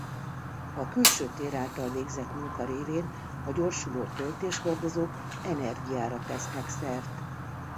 A külső tér által végzett munka révén a gyorsuló töltéshordozók energiára tesznek szert.